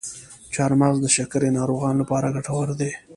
چارمغز د شکرې ناروغانو لپاره ګټور دی.